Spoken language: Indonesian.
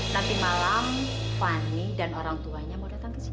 nanti malam fani dan orang tuanya mau datang ke sini